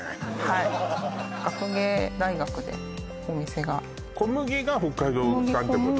はい学芸大学でお店が小麦が北海道産ってこと？